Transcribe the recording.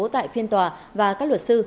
tại phiên tòa và các luật sư